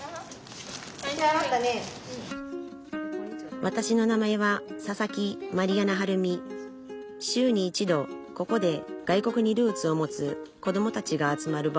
わたしの名前は週に一度ここで外国にルーツを持つこどもたちが集まる場を開いています